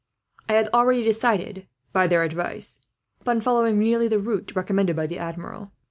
I had already decided, by their advice, upon following nearly the route commended by the Admiral.